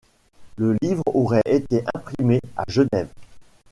Le livre aurait été imprimé à Genève.